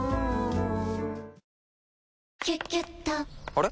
あれ？